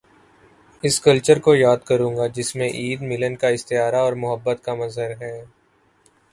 اس culture کو یاد کروں گا جس میں عید، ملن کا استعارہ اور محبت کا مظہر ہے۔